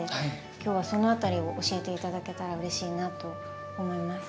今日はその辺りを教えて頂けたらうれしいなと思います。